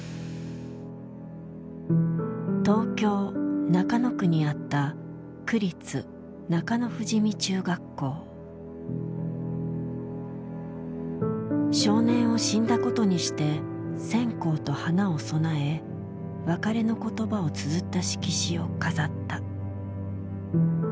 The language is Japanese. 東京・中野区にあった少年を死んだことにして線香と花を供え別れの言葉をつづった色紙を飾った。